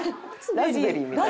ラズベリーみたい。